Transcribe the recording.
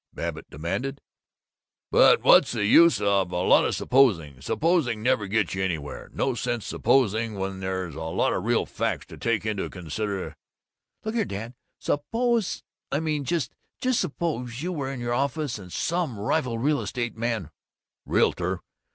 Babbitt demanded. "But what's the use of a lot of supposing? Supposing never gets you anywhere. No sense supposing when there's a lot of real facts to take into considera " "Look here, Dad. Suppose I mean, just just suppose you were in your office and some rival real estate man " "Realtor!"